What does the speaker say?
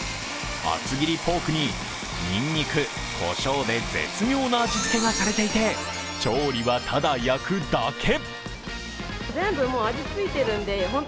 厚切りポークににんにく、こしょうで絶妙な味つけがされていて、調理は、ただ焼くだけ。